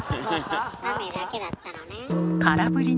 雨だけだったのね。